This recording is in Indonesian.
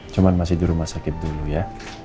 cuma masih di rumah sakit dulu ya